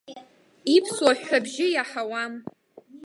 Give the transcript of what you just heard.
Иԥсуа ҳәҳәабжьы иаҳауам.